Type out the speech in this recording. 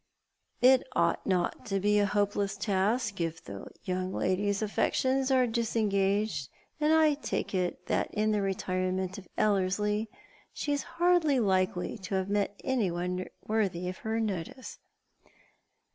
" It ought not to be a hopeless task if the young lady's affections are disengaged ; and I take it that in the retirement of Ellerslie she is hardly likely to have met anyone worthy of her notice."